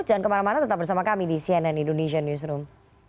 jangan kemana mana tetap bersama kami di cnn indonesia newsroom